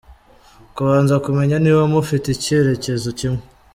Kubanza kumenya niba mufite icyerekezo kimwe.